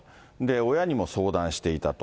親にも相談していたと。